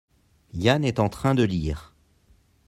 Yann est en train de lire.